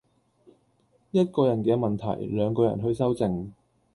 一個人嘅問題，兩個人去修正